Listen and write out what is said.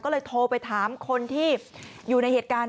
ก็เลยโทรไปถามคนที่อยู่ในเหตุการณ์